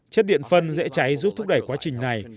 chất điện phân dễ cháy giúp thúc đẩy quá trình này